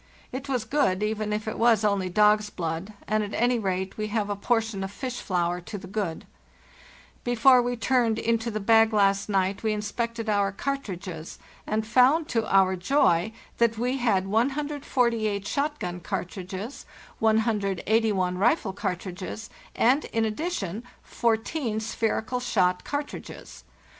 It was good, even if it was only dog's blood, and at any rate we have a portion of fish flour to the good. Before we turned into the bag last night we inspected our cartridges, and found, to our joy, that we had 148 shot gun cartridges, 181 rifle cartridges, and in addition 14 spherical shot cartridges.